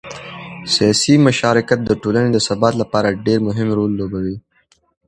سیاسي مشارکت د ټولنې د ثبات لپاره مهم رول لوبوي